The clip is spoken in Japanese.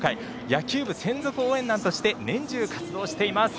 野球部専属応援団として年中活動しています。